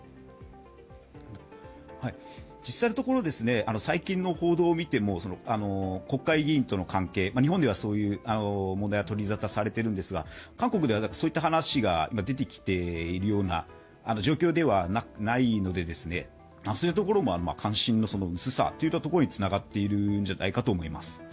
実際のところ、最近の報道を見ても、国会議員との関係、日本ではそういう問題が取り沙汰されているんですが、韓国ではそういった話が出てきているような状況ではないので、そういったところも関心の薄さにつながっているんじゃないかと思います。